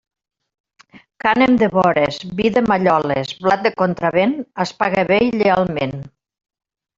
Cànem de vores, vi de malloles, blat de contravent es paga bé i lleialment.